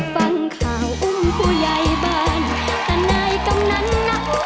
ฟังข่าวอุ้มผู้ใหญ่บ้านแต่ในกรรมนั้นน่ะอบอตต่อ